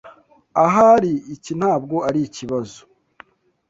Ahari iki ntabwo arikibazo.